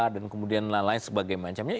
dan kemudian lain lain sebagai macamnya